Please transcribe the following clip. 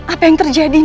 apa yang terjadi